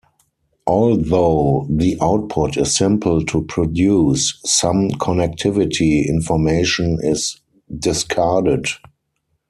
Although the output is simple to produce, some connectivity information is discarded.